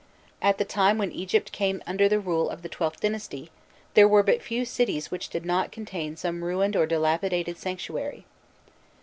At the time when Egypt came under the rule of the XIIth dynasty there were but few cities which did not contain some ruined or dilapidated sanctuary.